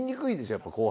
やっぱ後輩。